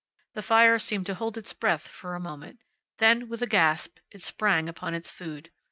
The fire seemed to hold its breath for a moment. Then, with a gasp, it sprang upon its food.